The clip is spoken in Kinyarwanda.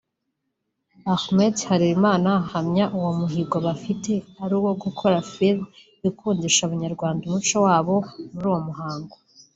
Ahmed Harelimana ahamya ko umuhigo bafite ari uwo gukora Filme ikundisha Abanyarwanda umuco waboMuri uwo muhango